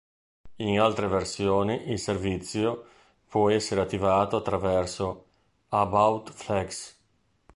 In altre versioni il servizio può essere attivato attraverso "about:flags".